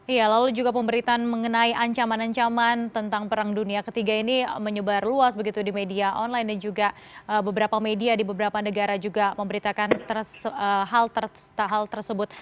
iya lalu juga pemberitaan mengenai ancaman ancaman tentang perang dunia ketiga ini menyebar luas begitu di media online dan juga beberapa media di beberapa negara juga memberitakan hal tersebut